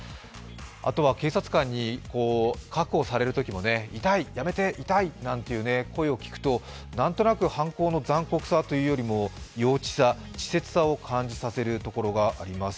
あとは警察官に確保されるときも、痛い、やめて、痛い！なんて声を聞くと、なんとなく犯行の残酷さというよりも幼稚さ、稚拙さを感じさせるところがあります。